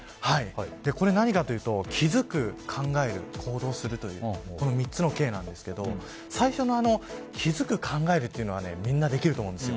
これ何かというと気づく、考える、行動するというこの３つのＫなんですが最初の気づく、考えるというのはみんなできると思うんです。